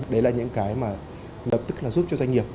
đấy là những cái mà lập tức là giúp cho doanh nghiệp